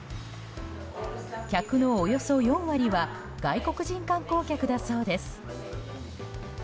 客のおよそ４割は外国人観光客だそうです。